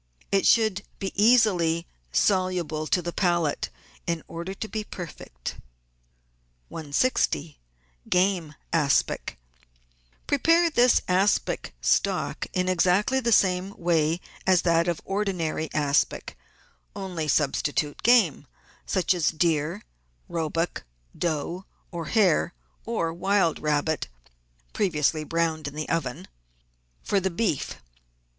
It should be easily soluble to the palate in order to be perfect. 160— GAME ASPIC Prepare this aspic stock in exactly the same way as that of ordinary aspic, only substitute game, such as deer, roebuck, doe, or hare, or wild rabbit (previously browned in the oven), for the beef.